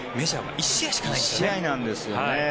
１試合なんですよね。